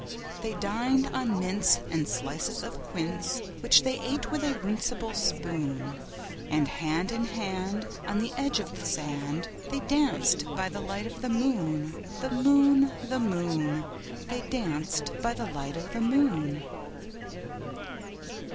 They dined on mince and slices of quince, Which they ate with a runcible spoon; And hand in hand, on the edge of the sand, They danced by the light of the moon, The moon, The moon, They danced by the light of the moon.